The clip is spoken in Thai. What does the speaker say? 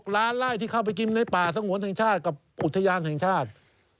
ล้านไล่ที่เข้าไปกินในป่าสงวนแห่งชาติกับอุทยานแห่งชาติ